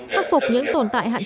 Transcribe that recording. khắc phục những tồn tại hạn chế